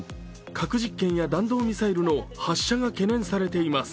核実験や弾道ミサイルの発射が懸念されています。